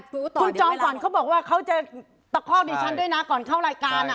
คุณจอมขวัญเขาบอกว่าเขาจะตะคอกดิฉันด้วยนะก่อนเข้ารายการอ่ะ